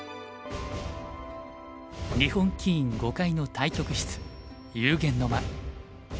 日本棋院５階の対局室幽玄の間。